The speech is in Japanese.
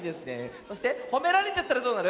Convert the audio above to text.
そしてほめられちゃったらどうなる？